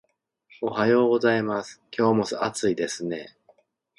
おはようございます。今日も暑いですね